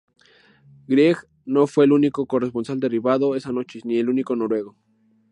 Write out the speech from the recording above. Grieg no fue el único corresponsal derribado esa noche, ni el único noruego.